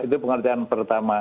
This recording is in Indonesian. itu pengertian pertama